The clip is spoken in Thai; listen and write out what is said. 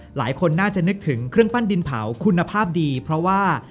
หลายคนน่าจะนึกถึงเครื่องปั้นดินเผาคุณภาพดีเพราะว่า